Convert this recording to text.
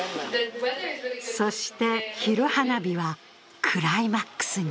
そして昼花火はクライマックスに。